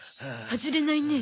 外れないね。